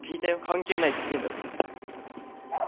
関係ないって言ってんだろ。